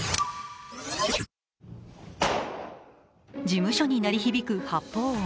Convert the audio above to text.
事務所に鳴り響く発砲音。